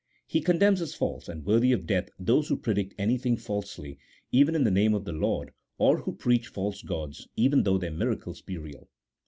He condemns as false, and worthy of death, those who predict anything falsely even in the name of the Lord, or who preach false gods, even though their miracles be real.